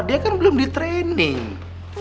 dia kan belum di training